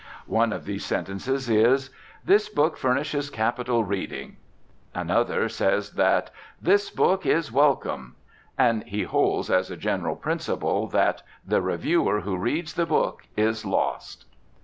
One of these sentences is: "This book furnishes capital reading;" another says that this book "is welcome;" and he holds as a general principle that, "the reviewer who reads the book is lost."